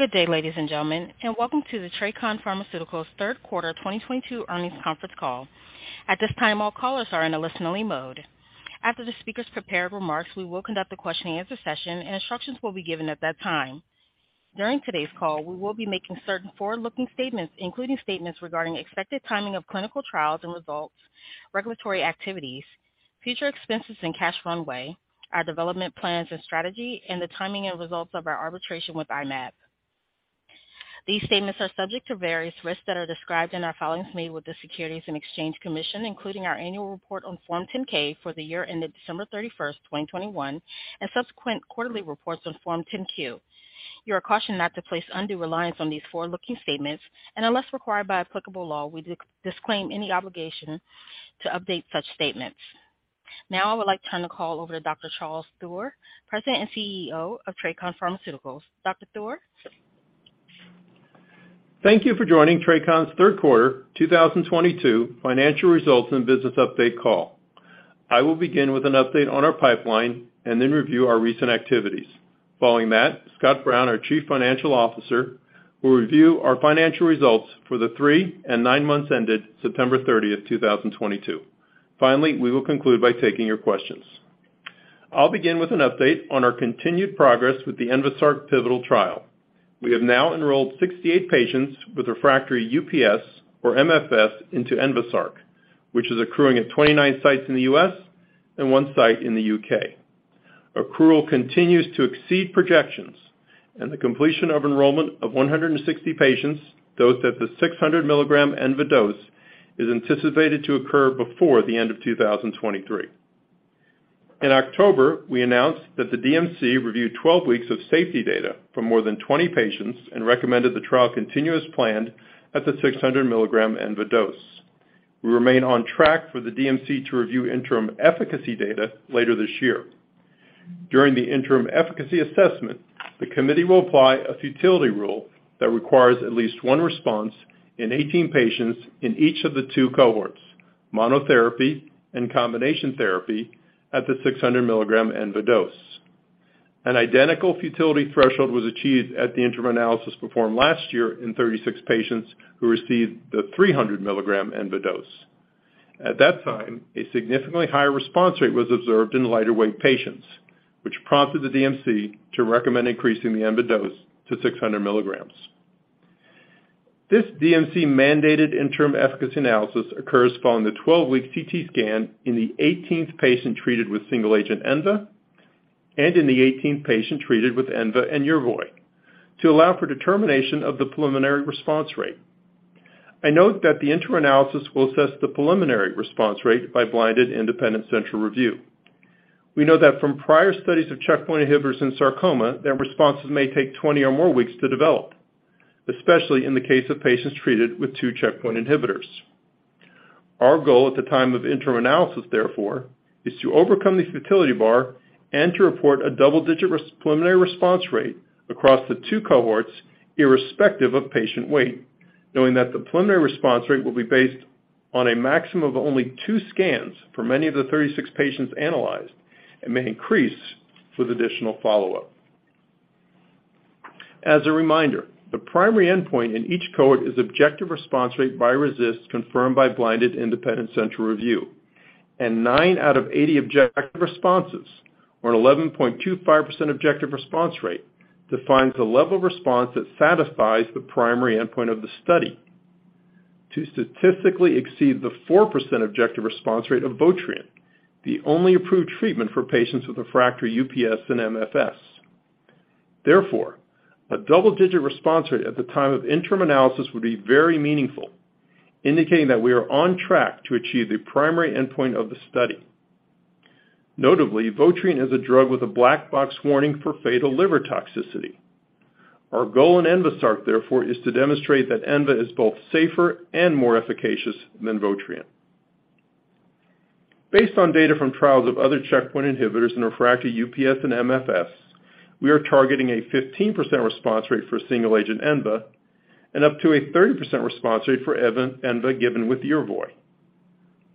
Good day, ladies and gentlemen, and welcome to the TRACON Pharmaceuticals third quarter 2022 earnings conference call. At this time, all callers are in a listen-only mode. After the speaker's prepared remarks, we will conduct a question-and-answer session and instructions will be given at that time. During today's call, we will be making certain forward-looking statements, including statements regarding expected timing of clinical trials and results, regulatory activities, future expenses and cash runway, our development plans and strategy, and the timing and results of our arbitration with I-Mab. These statements are subject to various risks that are described in our filings made with the Securities and Exchange Commission, including our annual report on Form 10-K for the year ended December 31, 2021, and subsequent quarterly reports on Form 10-Q. You are cautioned not to place undue reliance on these forward-looking statements, and unless required by applicable law, we disclaim any obligation to update such statements. Now I would like to turn the call over to Dr. Charles Theuer, President and CEO of TRACON Pharmaceuticals. Dr. Theuer? Thank you for joining TRACON's third quarter 2022 financial results and business update call. I will begin with an update on our pipeline and then review our recent activities. Following that, Scott Brown, our Chief Financial Officer, will review our financial results for the three and nine months ended September 30, 2022. Finally, we will conclude by taking your questions. I'll begin with an update on our continued progress with the ENVASARC pivotal trial. We have now enrolled 68 patients with refractory UPS or MFS into ENVASARC, which is accruing at 29 sites in the U.S. and one site in the U.K. Accrual continues to exceed projections, and the completion of enrollment of 160 patients dosed at the 600 mg ENVA dose is anticipated to occur before the end of 2023. In October, we announced that the DMC reviewed 12 weeks of safety data from more than 20 patients and recommended the trial continue as planned at the 600 mg ENVA dose. We remain on track for the DMC to review interim efficacy data later this year. During the interim efficacy assessment, the committee will apply a futility rule that requires at least one response in 18 patients in each of the two cohorts, monotherapy and combination therapy at the 600 mg ENVA dose. An identical futility threshold was achieved at the interim analysis performed last year in 36 patients who received the 300 mg ENVA dose. At that time, a significantly higher response rate was observed in lighter weight patients, which prompted the DMC to recommend increasing the ENVA dose to 600 mg. This DMC-mandated interim efficacy analysis occurs following the 12-week CT scan in the 18th patient treated with single-agent ENVA and in the 18th patient treated with ENVA and Yervoy to allow for determination of the preliminary response rate. I note that the interim analysis will assess the preliminary response rate by blinded independent central review. We know that from prior studies of checkpoint inhibitors in sarcoma that responses may take 20 or more weeks to develop, especially in the case of patients treated with two checkpoint inhibitors. Our goal at the time of interim analysis, therefore, is to overcome the futility bar and to report a double-digit preliminary response rate across the two cohorts, irrespective of patient weight, knowing that the preliminary response rate will be based on a maximum of only two scans for many of the 36 patients analyzed and may increase with additional follow-up. As a reminder, the primary endpoint in each cohort is objective response rate by RECIST confirmed by blinded independent central review, and nine out of 80 objective responses, or an 11.25% objective response rate, defines a level of response that satisfies the primary endpoint of the study to statistically exceed the 4% objective response rate of Votrient, the only approved treatment for patients with refractory UPS and MFS. Therefore, a double-digit response rate at the time of interim analysis would be very meaningful, indicating that we are on track to achieve the primary endpoint of the study. Notably, Votrient is a drug with a black box warning for fatal liver toxicity. Our goal in ENVASARC, therefore, is to demonstrate that ENVA is both safer and more efficacious than Votrient. Based on data from trials of other checkpoint inhibitors in refractory UPS and MFS, we are targeting a 15% response rate for single-agent ENVA and up to a 30% response rate for ENVA given with Yervoy.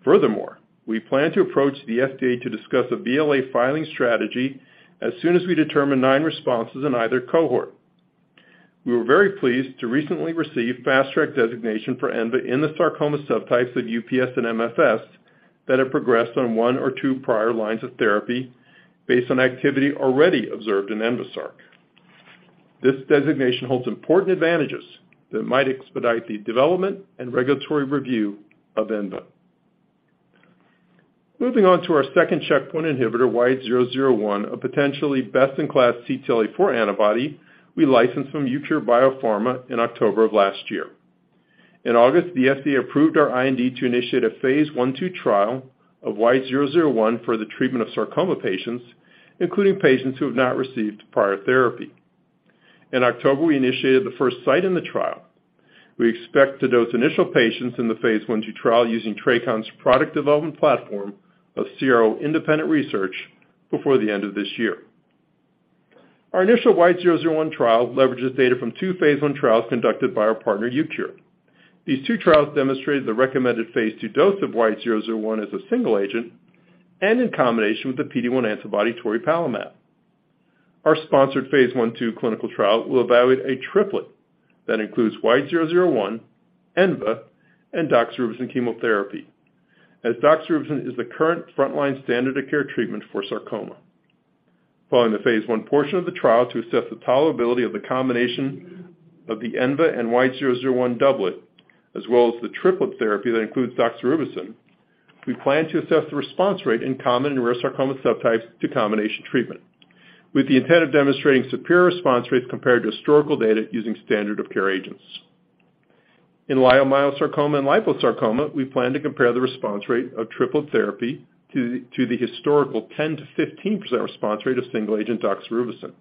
Furthermore, we plan to approach the FDA to discuss a BLA filing strategy as soon as we determine nine responses in either cohort. We were very pleased to recently receive Fast Track designation for ENVA in the sarcoma subtypes of UPS and MFS that have progressed on one or two prior lines of therapy based on activity already observed in ENVASARC. This designation holds important advantages that might expedite the development and regulatory review of ENVA. Moving on to our second checkpoint inhibitor, YH001, a potentially best-in-class CTLA-4 antibody we licensed from Eucure Biopharma in October of last year. In August, the FDA approved our IND to initiate a phase I/II trial of YH001 for the treatment of sarcoma patients, including patients who have not received prior therapy. In October, we initiated the first site in the trial. We expect to dose initial patients in the phase I/II trial using TRACON's product development platform of CRO independent research before the end of this year. Our initial YH001 trial leverages data from two phase I trials conducted by our partner Eucure. These two trials demonstrated the recommended phase II dose of YH001 as a single agent and in combination with the PD-1 antibody toripalimab. Our sponsored phase I/II clinical trial will evaluate a triplet that includes YH001, ENVA, and doxorubicin chemotherapy, as doxorubicin is the current frontline standard of care treatment for sarcoma. Following the phase I portion of the trial to assess the tolerability of the combination of the ENVA and YH001 doublet, as well as the triplet therapy that includes doxorubicin, we plan to assess the response rate in common and rare sarcoma subtypes to combination treatment, with the intent of demonstrating superior response rates compared to historical data using standard of care agents. In leiomyosarcoma and liposarcoma, we plan to compare the response rate of triplet therapy to the historical 10%-15% response rate of single-agent doxorubicin.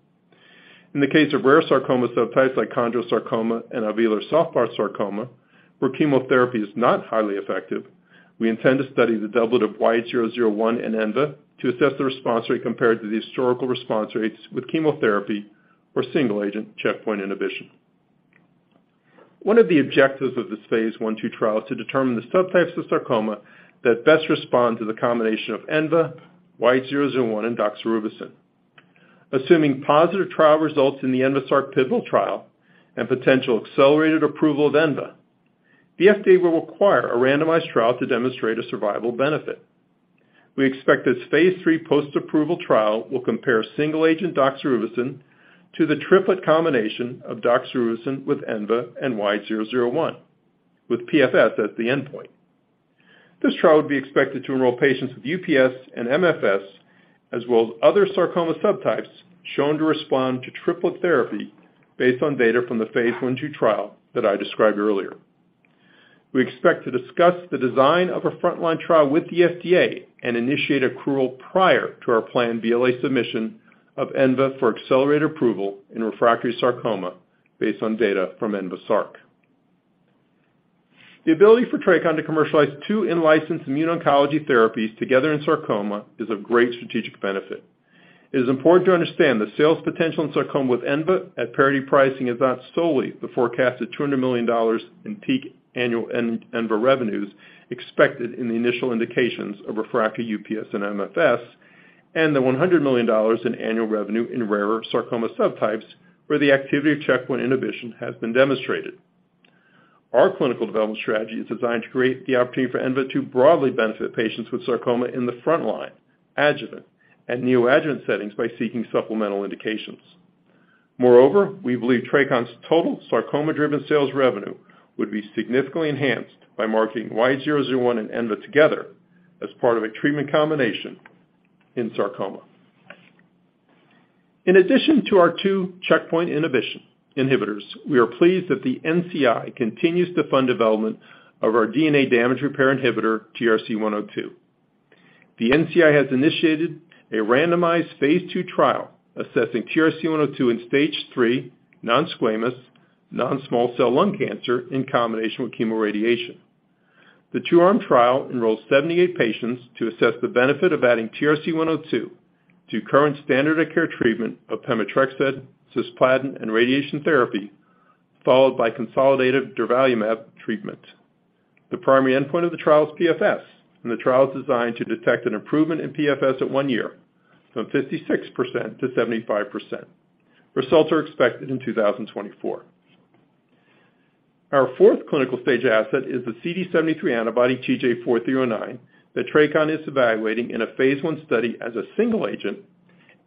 In the case of rare sarcoma subtypes like chondrosarcoma and alveolar soft part sarcoma, where chemotherapy is not highly effective, we intend to study the doublet of YH001 and ENVA to assess the response rate compared to the historical response rates with chemotherapy or single-agent checkpoint inhibition. One of the objectives of this phase I-II trial is to determine the subtypes of sarcoma that best respond to the combination of ENVA, YH001, and doxorubicin. Assuming positive trial results in the ENVASARC Pivotal trial and potential accelerated approval of ENVA, the FDA will require a randomized trial to demonstrate a survival benefit. We expect this phase III post-approval trial will compare single-agent doxorubicin to the triplet combination of doxorubicin with ENVA and YH001, with PFS as the endpoint. This trial would be expected to enroll patients with UPS and MFS, as well as other sarcoma subtypes shown to respond to triplet therapy based on data from the phase I-II trial that I described earlier. We expect to discuss the design of a frontline trial with the FDA and initiate accrual prior to our planned BLA submission of ENVA for accelerated approval in refractory sarcoma based on data from ENVASARC. The ability for TRACON to commercialize two in-licensed immuno-oncology therapies together in sarcoma is of great strategic benefit. It is important to understand the sales potential in sarcoma with ENVA at parity pricing is not solely the forecasted $200 million in peak annual ENVA revenues expected in the initial indications of refractory UPS and MFS and the $100 million in annual revenue in rarer sarcoma subtypes where the activity of checkpoint inhibition has been demonstrated. Our clinical development strategy is designed to create the opportunity for ENVA to broadly benefit patients with sarcoma in the frontline, adjuvant, and neoadjuvant settings by seeking supplemental indications. Moreover, we believe TRACON's total sarcoma-driven sales revenue would be significantly enhanced by marketing YH001 and ENVA together as part of a treatment combination in sarcoma. In addition to our two checkpoint inhibition inhibitors, we are pleased that the NCI continues to fund development of our DNA damage repair inhibitor, TRC102. The NCI has initiated a randomized phase II trial assessing TRC102 in Stage 3 non-squamous, non-small cell lung cancer in combination with chemoradiation. The two-arm trial enrolls 78 patients to assess the benefit of adding TRC102 to current standard of care treatment of pemetrexed, cisplatin, and radiation therapy, followed by consolidated durvalumab treatment. The primary endpoint of the trial is PFS, and the trial is designed to detect an improvement in PFS at one year from 56%-75%. Results are expected in 2024. Our fourth clinical stage asset is the CD73 antibody TJ004309 that TRACON is evaluating in a phase I study as a single agent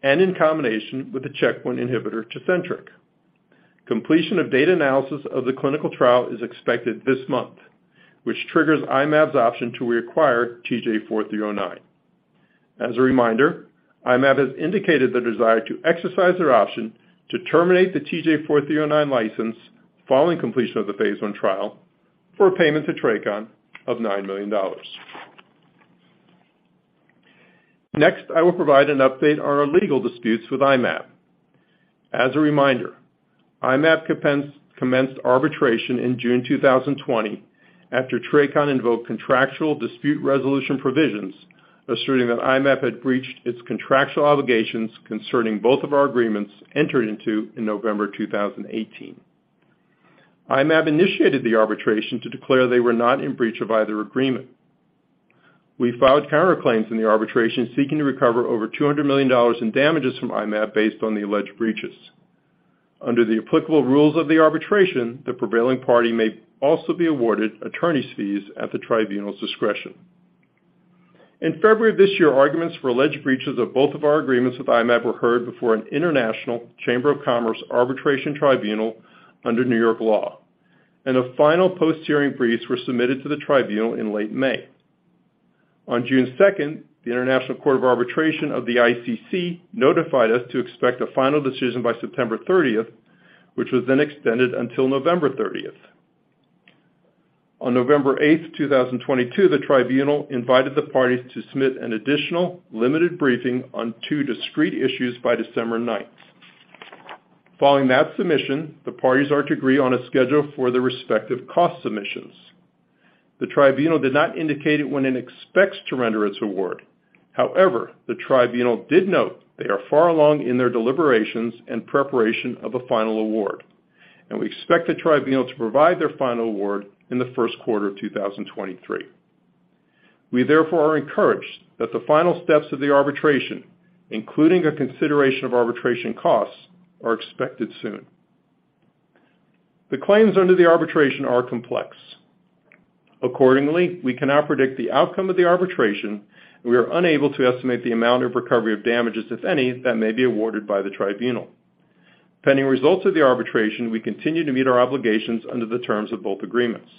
and in combination with the checkpoint inhibitor TECENTRIQ. Completion of data analysis of the clinical trial is expected this month, which triggers I-Mab's option to reacquire TJ004309. As a reminder, I-Mab has indicated the desire to exercise their option to terminate the TJ004309 license following completion of the phase I trial for a payment to TRACON of $9 million. Next, I will provide an update on our legal disputes with I-Mab. As a reminder, I-Mab commenced arbitration in June 2020 after TRACON invoked contractual dispute resolution provisions asserting that I-Mab had breached its contractual obligations concerning both of our agreements entered into in November 2018. I-Mab initiated the arbitration to declare they were not in breach of either agreement. We filed counterclaims in the arbitration seeking to recover over $200 million in damages from I-Mab based on the alleged breaches. Under the applicable rules of the arbitration, the prevailing party may also be awarded attorney's fees at the tribunal's discretion. In February of this year, arguments for alleged breaches of both of our agreements with I-Mab were heard before an International Chamber of Commerce Arbitration Tribunal under New York law, and the final post-hearing briefs were submitted to the tribunal in late May. On June 2nd, the International Court of Arbitration of the ICC notified us to expect a final decision by September 30th, which was then extended until November 30th. On November 8th, 2022, the tribunal invited the parties to submit an additional limited briefing on two discrete issues by December 9th. Following that submission, the parties are to agree on a schedule for the respective cost submissions. The tribunal did not indicate when it expects to render its award. However, the tribunal did note they are far along in their deliberations and preparation of a final award. We expect the tribunal to provide their final award in the first quarter of 2023. We therefore are encouraged that the final steps of the arbitration, including a consideration of arbitration costs, are expected soon. The claims under the arbitration are complex. Accordingly, we cannot predict the outcome of the arbitration, and we are unable to estimate the amount of recovery of damages, if any, that may be awarded by the tribunal. Pending results of the arbitration, we continue to meet our obligations under the terms of both agreements.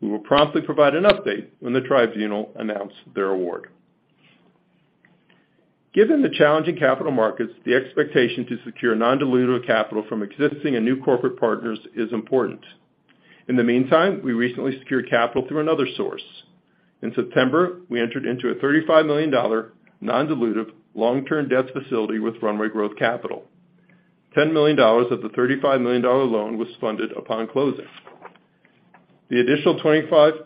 We will promptly provide an update when the tribunal announce their award. Given the challenging capital markets, the expectation to secure non-dilutive capital from existing and new corporate partners is important. In the meantime, we recently secured capital through another source. In September, we entered into a $35 million non-dilutive long-term debt facility with Runway Growth Capital. $10 million of the $35 million loan was funded upon closing. The additional $25 million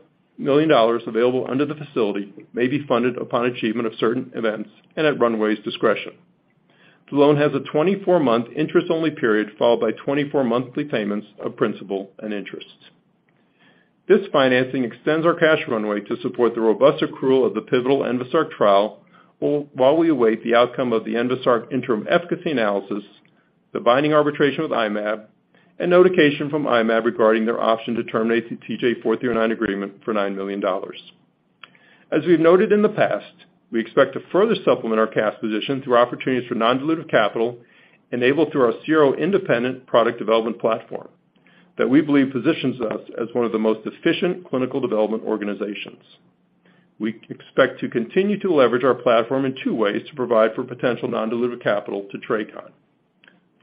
available under the facility may be funded upon achievement of certain events and at Runway's discretion. The loan has a 24-month interest-only period, followed by 24 monthly payments of principal and interest. This financing extends our cash runway to support the robust accrual of the pivotal ENVASARC trial, while we await the outcome of the ENVASARC interim efficacy analysis, the binding arbitration with I-Mab, and notification from I-Mab regarding their option to terminate the TJ004309 agreement for $9 million. As we've noted in the past, we expect to further supplement our cash position through opportunities for non-dilutive capital enabled through our CRO-independent product development platform that we believe positions us as one of the most efficient clinical development organizations. We expect to continue to leverage our platform in two ways to provide for potential non-dilutive capital to TRACON.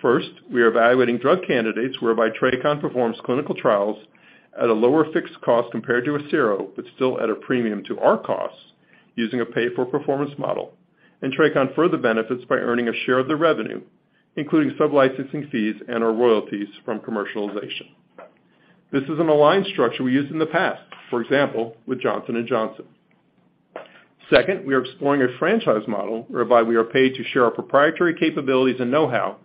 First, we are evaluating drug candidates whereby TRACON performs clinical trials at a lower fixed cost compared to a CRO, but still at a premium to our costs using a pay-for-performance model. TRACON further benefits by earning a share of the revenue, including sub-licensing fees and our royalties from commercialization. This is an aligned structure we used in the past, for example, with Johnson & Johnson. Second, we are exploring a franchise model whereby we are paid to share our proprietary capabilities and know-how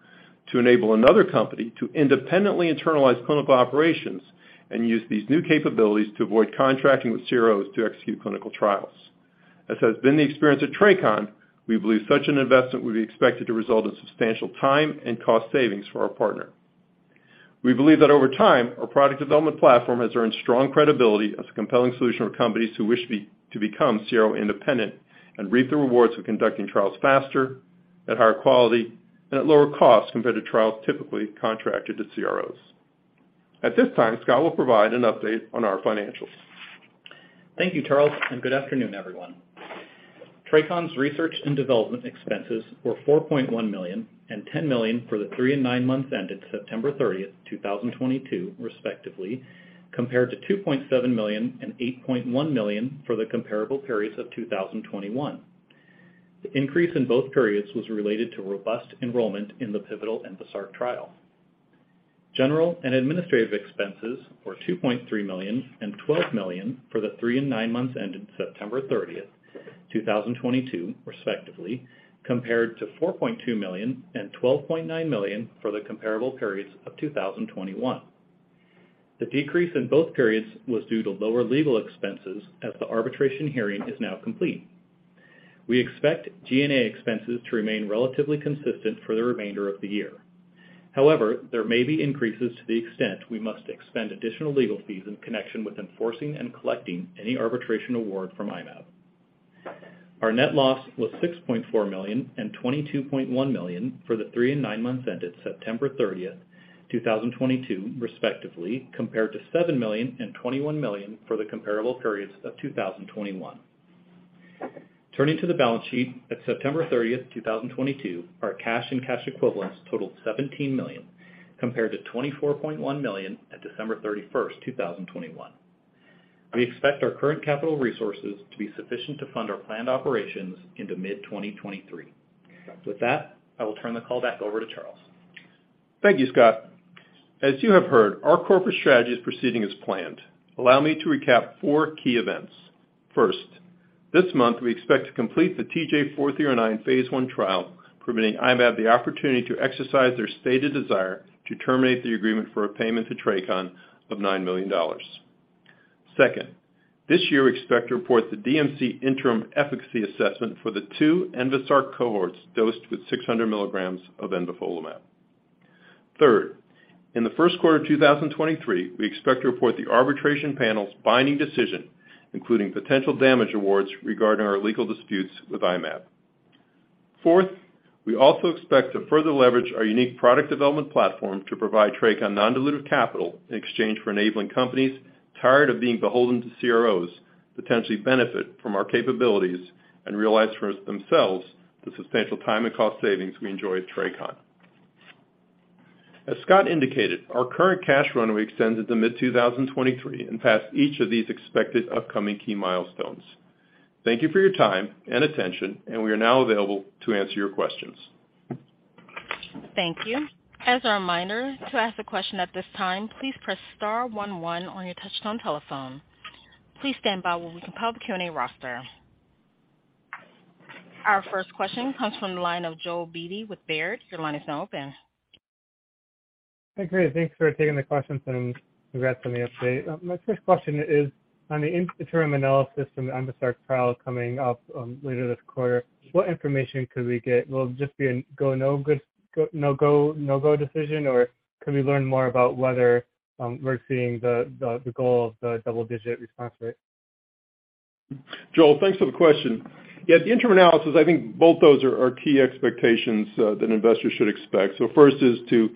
to enable another company to independently internalize clinical operations and use these new capabilities to avoid contracting with CROs to execute clinical trials. As has been the experience at TRACON, we believe such an investment would be expected to result in substantial time and cost savings for our partner. We believe that over time, our product development platform has earned strong credibility as a compelling solution for companies who wish to become CRO-independent and reap the rewards of conducting trials faster, at higher quality, and at lower costs compared to trials typically contracted to CROs. At this time, Scott will provide an update on our financials. Thank you, Charles, and good afternoon, everyone. TRACON's research and development expenses were $4.1 million and $10 million for the three and nine months ended September 30, 2022, respectively, compared to $2.7 million and $8.1 million for the comparable periods of 2021. The increase in both periods was related to robust enrollment in the pivotal ENVASARC trial. General and administrative expenses were $2.3 million and $12 million for the three and nine months ended September 30, 2022, respectively, compared to $4.2 million and $12.9 million for the comparable periods of 2021. The decrease in both periods was due to lower legal expenses as the arbitration hearing is now complete. We expect G&A expenses to remain relatively consistent for the remainder of the year. However, there may be increases to the extent we must expend additional legal fees in connection with enforcing and collecting any arbitration award from I-Mab. Our net loss was $6.4 million and $22.1 million for the three and nine months ended September thirtieth, 2022, respectively, compared to $7 million and $21 million for the comparable periods of 2021. Turning to the balance sheet at September thirtieth, 2022, our cash and cash equivalents totaled $17 million, compared to $24.1 million at December thirty-first, 2021. We expect our current capital resources to be sufficient to fund our planned operations into mid-2023. With that, I will turn the call back over to Charles. Thank you, Scott. As you have heard, our corporate strategy is proceeding as planned. Allow me to recap four key events. First, this month, we expect to complete the TJ004309 phase I trial, permitting I-Mab the opportunity to exercise their stated desire to terminate the agreement for a payment to TRACON of $9 million. Second, this year, we expect to report the DMC interim efficacy assessment for the two ENVASARC cohorts dosed with 600 mg of envafolimab. Third, in the first quarter of 2023, we expect to report the arbitration panel's binding decision, including potential damage awards regarding our legal disputes with I-Mab. Fourth, we also expect to further leverage our unique product development platform to provide TRACON non-dilutive capital in exchange for enabling companies tired of being beholden to CROs, potentially benefit from our capabilities and realize for themselves the substantial time and cost savings we enjoy at TRACON. As Scott indicated, our current cash runway extends into mid-2023 and past each of these expected upcoming key milestones. Thank you for your time and attention, and we are now available to answer your questions. Thank you. As a reminder, to ask a question at this time, please press star one one on your touchtone telephone. Please stand by while we compile the Q&A roster. Our first question comes from the line of Joel Beatty with Baird. Your line is now open. Hey, great. Thanks for taking the questions and congrats on the update. My first question is on the interim analysis from the ENVASARC trial coming up later this quarter, what information could we get? Will it just be a go/no-go decision, or can we learn more about whether we're seeing the goal of the double-digit response rate? Joel, thanks for the question. Yeah, the interim analysis, I think both those are key expectations that investors should expect. First is to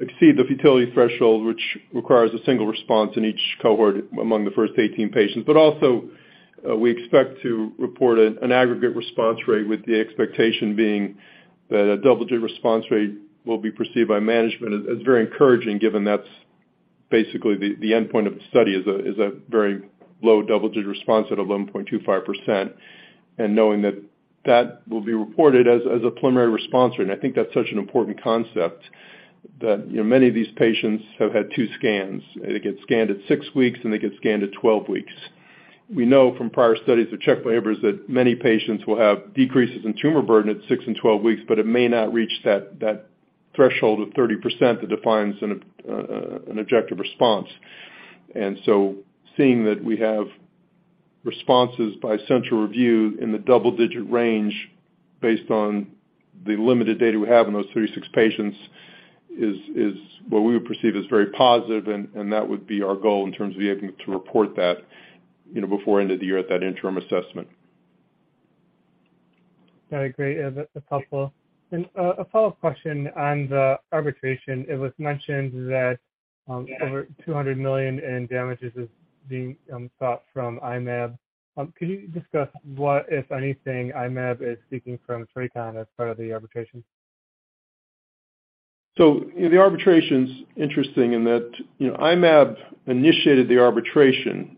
exceed the futility threshold, which requires a single response in each cohort among the first 18 patients. Also, we expect to report an aggregate response rate with the expectation being that a double-digit response rate will be perceived by management as very encouraging, given that's basically the endpoint of the study is a very low double-digit response at 11.25%. Knowing that that will be reported as a preliminary response, and I think that's such an important concept that, you know, many of these patients have had two scans. They get scanned at 6 weeks, and they get scanned at 12 weeks. We know from prior studies of checkpoint inhibitors that many patients will have decreases in tumor burden at six and 12 weeks, but it may not reach that threshold of 30% that defines an objective response. Seeing that we have responses by central review in the double-digit range based on the limited data we have in those 36 patients is what we would perceive as very positive, and that would be our goal in terms of being able to report that, you know, before end of the year at that interim assessment. Very great. Yeah, that's helpful. A follow-up question on the arbitration. It was mentioned that over $200 million in damages is being sought from I-Mab. Could you discuss what, if anything, I-Mab is seeking from TRACON as part of the arbitration? The arbitration's interesting in that, you know, I-Mab initiated the arbitration.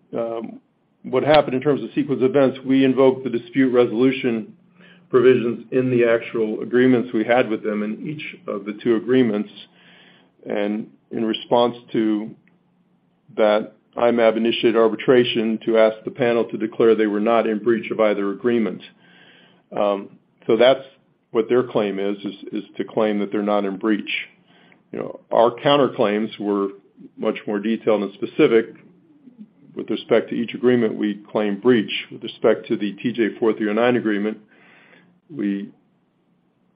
What happened in terms of sequence of events, we invoked the dispute resolution provisions in the actual agreements we had with them in each of the two agreements. In response to that, I-Mab initiated arbitration to ask the panel to declare they were not in breach of either agreement. That's what their claim is to claim that they're not in breach. You know, our counterclaims were much more detailed and specific. With respect to each agreement, we claim breach. With respect to the TJ004309 agreement, we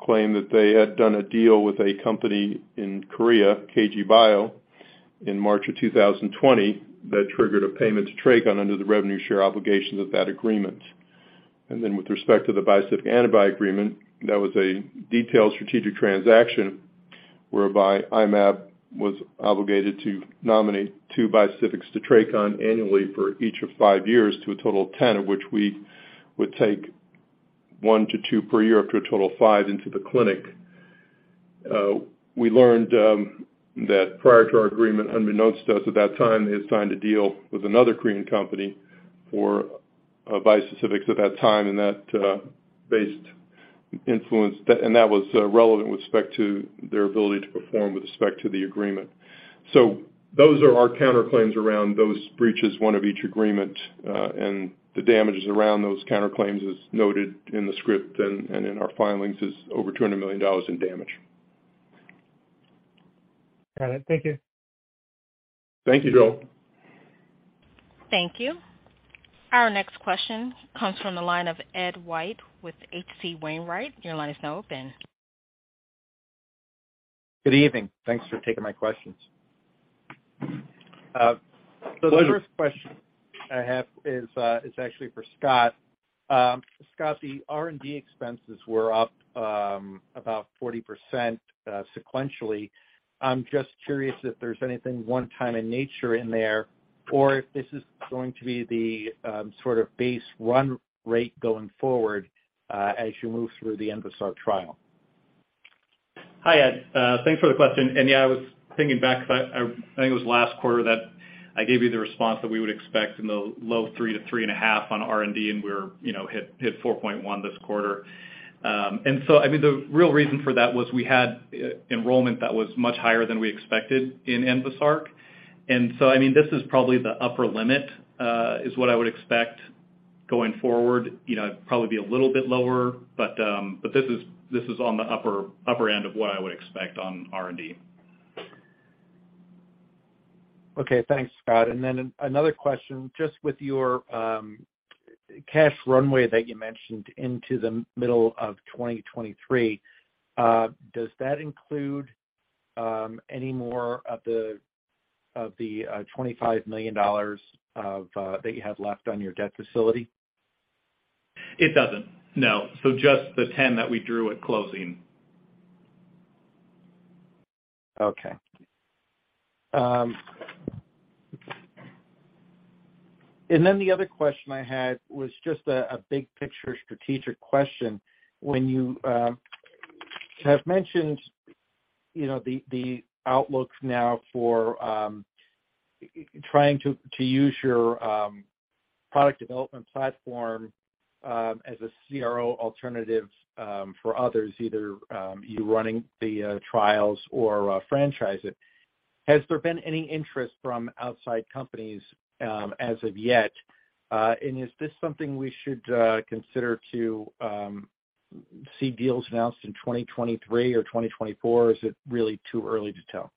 claim that they had done a deal with a company in Korea, KG Bio, in March of 2020, that triggered a payment to TRACON under the revenue share obligations of that agreement. With respect to the Bispecific Antibody Agreement, that was a detailed strategic transaction whereby I-Mab was obligated to nominate two bispecifics to TRACON annually for each of five years to a total of ten, of which we would take one to two per year up to a total of five into the clinic. We learned that prior to our agreement, unbeknownst to us at that time, they had signed a deal with another Korean company for bispecifics at that time, and that was relevant with respect to their ability to perform with respect to the agreement. Those are our counterclaims around those breaches, one of each agreement, and the damages around those counterclaims, as noted in the script and in our filings, is over $200 million in damages. Got it. Thank you. Thank you, Joel. Thank you. Our next question comes from the line of Ed White with H.C. Wainwright. Your line is now open. Good evening. Thanks for taking my questions. Pleasure. The first question I have is actually for Scott. Scott, the R&D expenses were up about 40%, sequentially. I'm just curious if there's anything one-time in nature in there or if this is going to be the sort of base run rate going forward, as you move through the ENVASARC trial. Hi, Ed. Thanks for the question. Yeah, I was thinking back, but I think it was last quarter that I gave you the response that we would expect in the low $3-$3.5 on R&D, and we're, you know, hit $4.1 this quarter. I mean, the real reason for that was we had enrollment that was much higher than we expected in ENVASARC. I mean, this is probably the upper limit is what I would expect going forward. You know, it'd probably be a little bit lower, but this is on the upper end of what I would expect on R&D. Okay. Thanks, Scott. Then another question, just with your cash runway that you mentioned into the middle of 2023, does that include any more of the $25 million of that you have left on your debt facility? It doesn't, no. Just the $10 that we drew at closing. Okay. The other question I had was just a big picture strategic question. When you have mentioned, you know, the outlook now for trying to use your product development platform as a CRO alternative for others, either you running the trials or franchise it. Has there been any interest from outside companies as of yet? Is this something we should consider to see deals announced in 2023 or 2024? Is it really too early to tell?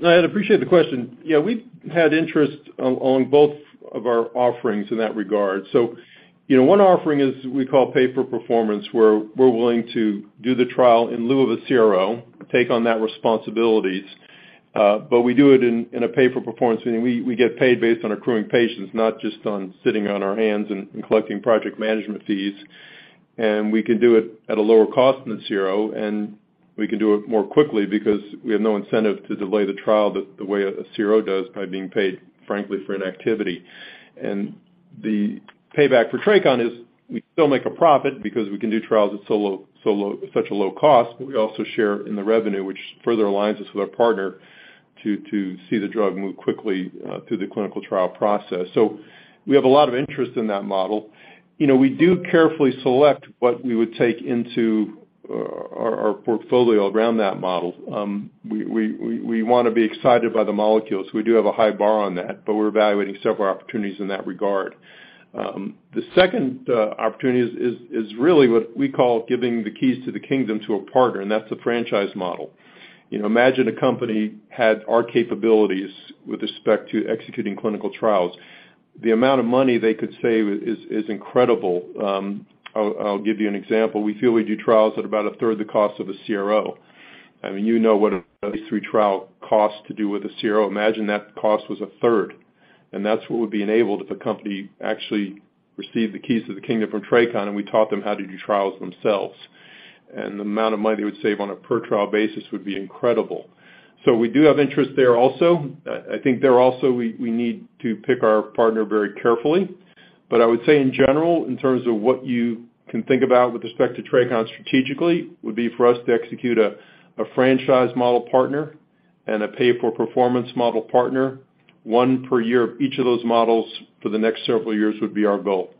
No, I'd appreciate the question. Yeah, we've had interest on both of our offerings in that regard. You know, one offering is we call pay for performance, where we're willing to do the trial in lieu of a CRO, take on that responsibilities, but we do it in a pay for performance meaning we get paid based on accruing patients, not just on sitting on our hands and collecting project management fees. We can do it at a lower cost than a CRO, and we can do it more quickly because we have no incentive to delay the trial the way a CRO does by being paid, frankly, for an activity. The payback for TRACON is we still make a profit because we can do trials at such a low cost, but we also share in the revenue, which further aligns us with our partner to see the drug move quickly through the clinical trial process. We have a lot of interest in that model. You know, we do carefully select what we would take into our portfolio around that model. We wanna be excited by the molecules. We do have a high bar on that, but we're evaluating several opportunities in that regard. The second opportunity is really what we call giving the keys to the kingdom to a partner, and that's a franchise model. You know, imagine a company had our capabilities with respect to executing clinical trials. The amount of money they could save is incredible. I'll give you an example. We feel we do trials at about a third the cost of a CRO. I mean, you know what a phase three trial costs to do with a CRO. Imagine that cost was a third, and that's what would be enabled if a company actually received the keys to the kingdom from TRACON, and we taught them how to do trials themselves. The amount of money they would save on a per-trial basis would be incredible. We do have interest there also. I think there also we need to pick our partner very carefully. I would say in general, in terms of what you can think about with respect to TRACON strategically, would be for us to execute a franchise model partner and a pay-for-performance model partner, one per year of each of those models for the next several years would be our goal.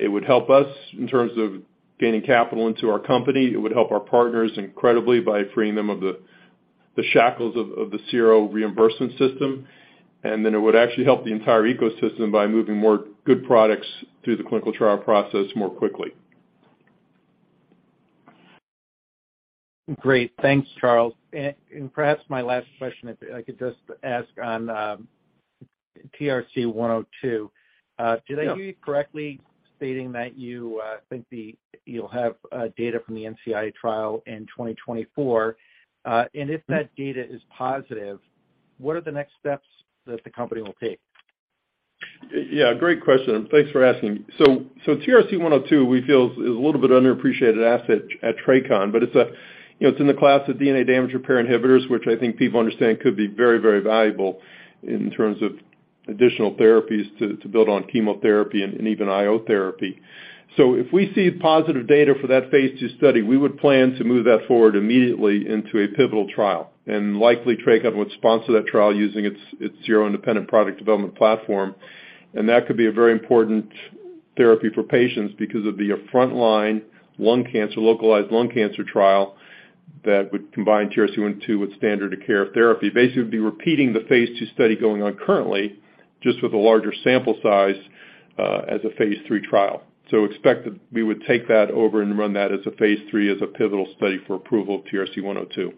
It would help us in terms of gaining capital into our company. It would help our partners incredibly by freeing them of the shackles of the CRO reimbursement system. It would actually help the entire ecosystem by moving more good products through the clinical trial process more quickly. Great. Thanks, Charles. Perhaps my last question, if I could just ask on TRC102. Yeah. Did I hear you correctly stating that you think you'll have data from the NCI trial in 2024? If that data is positive, what are the next steps that the company will take? Yeah, great question. Thanks for asking. So TRC102, we feel is a little bit underappreciated asset at TRACON, but it's a, you know, it's in the class of DNA damage repair inhibitors, which I think people understand could be very, very valuable in terms of additional therapies to build on chemotherapy and even IO therapy. If we see positive data for that phase II study, we would plan to move that forward immediately into a pivotal trial, and likely TRACON would sponsor that trial using its own independent product development platform. That could be a very important therapy for patients because it'd be a frontline lung cancer, localized lung cancer trial that would combine TRC102 with standard of care therapy. Basically, it would be repeating the phase II study going on currently just with a larger sample size, as a phase III trial. Expect that we would take that over and run that as a phase III as a pivotal study for approval of TRC102.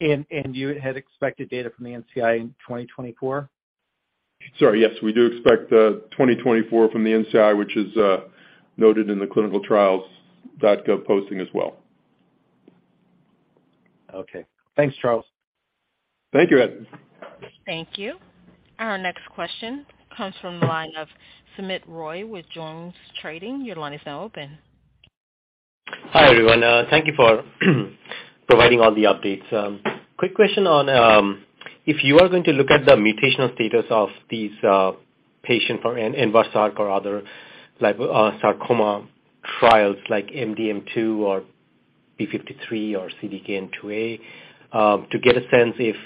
You had expected data from the NCI in 2024? Sorry, yes. We do expect 2024 from the NCI, which is noted in the ClinicalTrials.gov posting as well. Okay. Thanks, Charles. Thank you, Ed. Thank you. Our next question comes from the line of Soumit Roy with JonesTrading. Your line is now open. Hi, everyone. Thank you for providing all the updates. Quick question on if you are going to look at the mutational status of these patient for ENVASARC or other like sarcoma trials like MDM2 or P53 or CDKN2A to get a sense if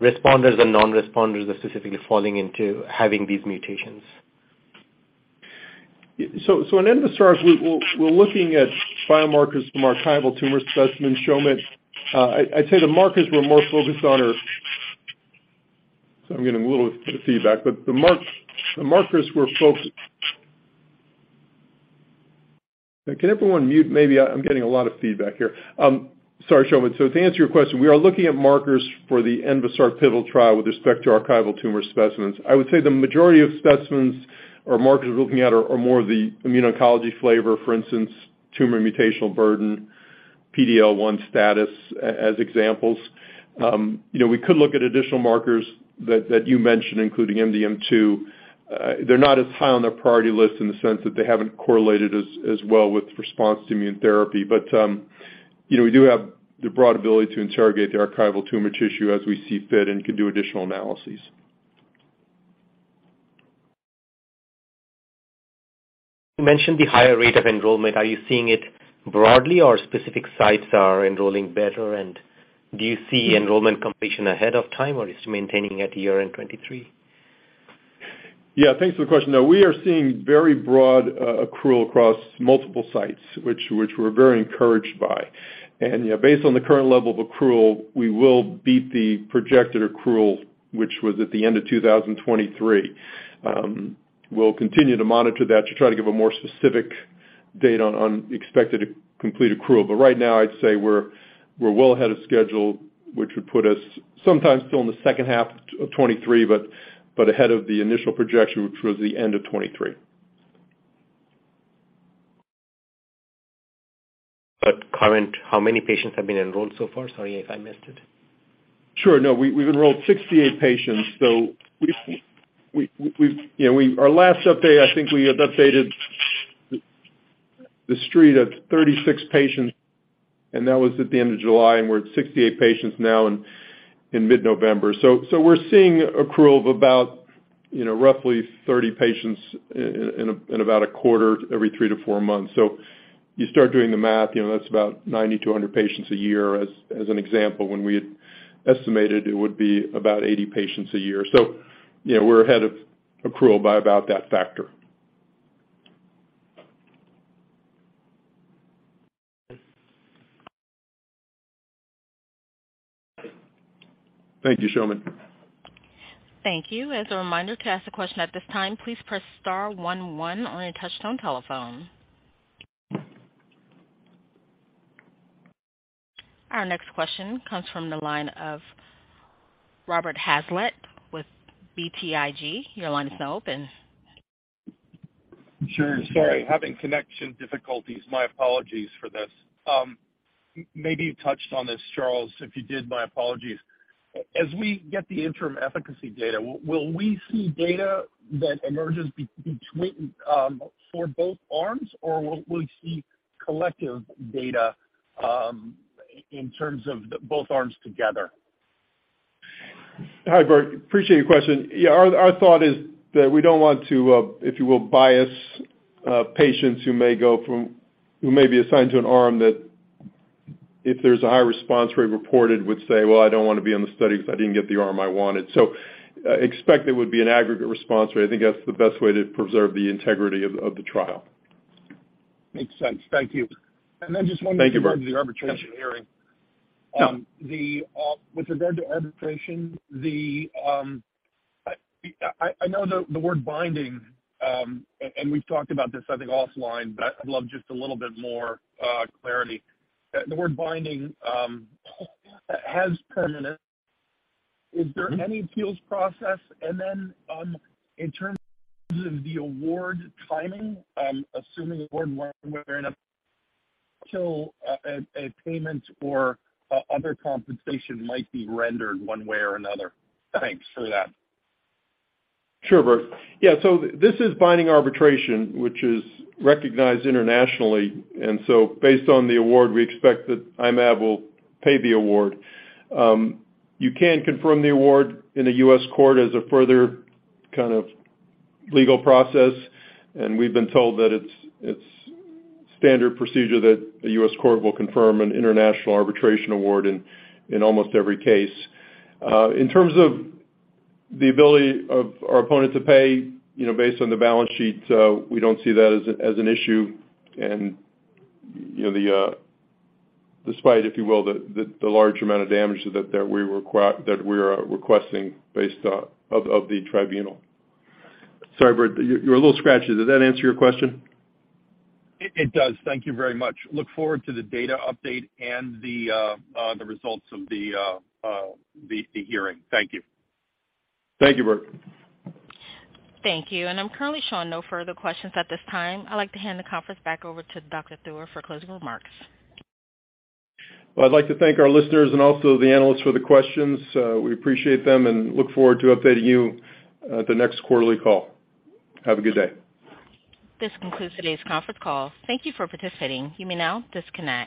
responders and non-responders are specifically falling into having these mutations. In ENVASARC, we're looking at biomarkers from archival tumor specimens, Soumit. I'd say the markers we're more focused on are the markers we're focused on. To answer your question, we are looking at markers for the ENVASARC pivotal trial with respect to archival tumor specimens. I would say the majority of specimens or markers we're looking at are more of the immuno-oncology flavor, for instance, tumor mutational burden, PDL1 status as examples. You know, we could look at additional markers that you mentioned, including MDM2. They're not as high on their priority list in the sense that they haven't correlated as well with response to immune therapy. You know, we do have the broad ability to interrogate the archival tumor tissue as we see fit and can do additional analyses. You mentioned the higher rate of enrollment. Are you seeing it broadly or specific sites are enrolling better? Do you see enrollment completion ahead of time, or is it maintaining at year-end 2023? Yeah, thanks for the question. No, we are seeing very broad accrual across multiple sites, which we're very encouraged by. Based on the current level of accrual, we will beat the projected accrual, which was at the end of 2023. We'll continue to monitor that to try to give a more specific date on expected complete accrual. Right now, I'd say we're well ahead of schedule, which would put us sometime in the second half of 2023, but ahead of the initial projection, which was the end of 2023. Currently, how many patients have been enrolled so far? Sorry if I missed it. Sure. No. We've enrolled 68 patients. You know, our last update, I think we had updated the street at 36 patients, and that was at the end of July, and we're at 68 patients now in mid-November. We're seeing accrual of about, you know, roughly 30 patients in about a quarter every three to four months. You start doing the math, you know, that's about 90-100 patients a year as an example, when we had estimated it would be about 80 patients a year. You know, we're ahead of accrual by about that factor. Thank you. Thank you, Soumit. Thank you. As a reminder, to ask a question at this time, please press star one one on your touchtone telephone. Our next question comes from the line of Robert Hazlett with BTIG. Your line is now open. Sure. Sorry, having connection difficulties. My apologies for this. Maybe you touched on this, Charles. If you did, my apologies. As we get the interim efficacy data, will we see data that emerges between for both arms, or will we see collective data in terms of the both arms together? Hi, Bert. Appreciate your question. Yeah. Our thought is that we don't want to, if you will, bias patients who may be assigned to an arm that if there's a high response rate reported, would say, "Well, I don't wanna be in the study because I didn't get the arm I wanted." Expect there would be an aggregate response rate. I think that's the best way to preserve the integrity of the trial. Makes sense. Thank you. Thank you, Bert. Just one with regard to the arbitration hearing. Yeah. With regard to arbitration, I know the word binding, and we've talked about this, I think, offline, but I'd love just a little bit more clarity. The word binding has permanence. Is there any appeals process? In terms of the award timing, assuming award... So payment for other compensation might be rendered one way or another. Thanks for that. Sure, Bert. Yeah. This is binding arbitration, which is recognized internationally. Based on the award, we expect that I-Mab will pay the award. You can confirm the award in a U.S. court as a further kind of legal process, and we've been told that it's standard procedure that a U.S. court will confirm an international arbitration award in almost every case. In terms of the ability of our opponent to pay, you know, based on the balance sheet, we don't see that as an issue and, you know, despite, if you will, the large amount of damages that we are requesting based on the tribunal. Sorry, Bert, you're a little scratchy. Does that answer your question? It does. Thank you very much. Look forward to the data update and the results of the hearing. Thank you. Thank you, Bert. Thank you. I'm currently showing no further questions at this time. I'd like to hand the conference back over to Dr. Theuer for closing remarks. Well, I'd like to thank our listeners and also the analysts for the questions. We appreciate them and look forward to updating you at the next quarterly call. Have a good day. This concludes today's conference call. Thank you for participating. You may now disconnect.